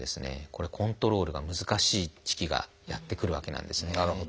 これコントロールが難しい時期がやって来るわけなんですね。